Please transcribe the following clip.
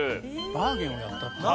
バーゲンをやったっていう。